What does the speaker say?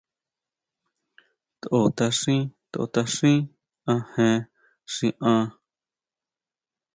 To tʼaxín, to tʼaxín ajen xi an.